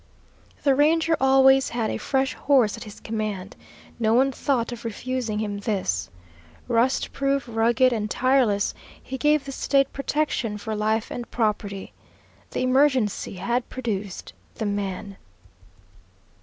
The Ranger always had a fresh horse at his command, no one thought of refusing him this. Rust proof, rugged, and tireless, he gave the State protection for life and property. The emergency had produced the man.